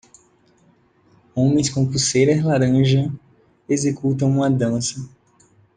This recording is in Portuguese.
Homens com pulseiras laranja executam uma dança.